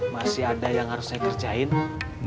masih ada yang harus saya kerjain